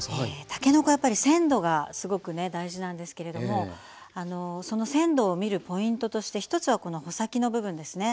たけのこはやっぱり鮮度がすごくね大事なんですけれどもその鮮度を見るポイントとして１つはこの穂先の部分ですね。